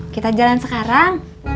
kita jalan sekarang